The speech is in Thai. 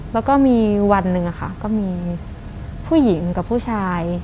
แล้วก็มีวันหนึ่งก็มีผู้หญิงกับผู้ชาย